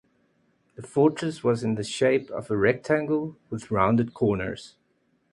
The fortress was in the shape of a rectangle with rounded corners.